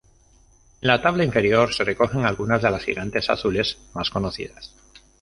En la tabla inferior se recogen algunas de las gigantes azules más conocidas.